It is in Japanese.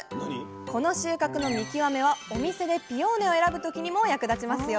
この収穫の見極めはお店でピオーネを選ぶ時にも役立ちますよ